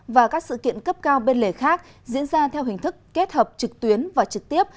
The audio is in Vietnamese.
và các sự kiện cấp cao bên lề khác diễn ra theo hình thức kết hợp trực tuyến và trực tiếp